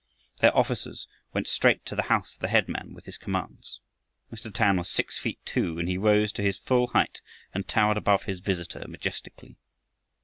Their officers went straight to the house of the headman with his commands. Mr. Tan was six feet two and he rose to his full height and towered above his visitor majestically.